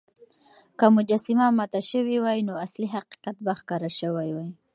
که مجسمه ماته شوې وای، نو اصلي حقيقت به ښکاره شوی وای.